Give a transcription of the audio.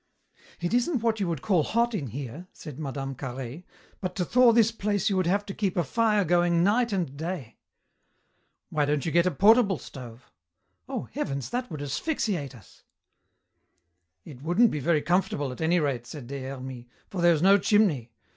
"It isn't what you would call hot in here," said Mme. Carhaix, "but to thaw this place you would have to keep a fire going night and day." "Why don't you get a portable stove?" "Oh, heavens! that would asphyxiate us." "It wouldn't be very comfortable at any rate," said Des Hermies, "for there is no chimney.